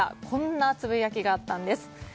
こんなつぶやきがあったんです。